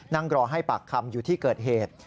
นั่งรอให้ปากคำอยู่ที่เกิดเหตุ